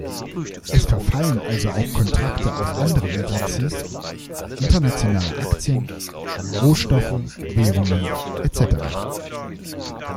Es verfallen also auch Kontrakte auf andere Indizes, internationale Aktien, Rohstoffe, Währungen etc.